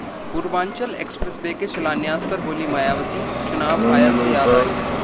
Purvanchal expressway के शिलान्यास पर बोलीं मायावती- चुनाव आया तो याद आई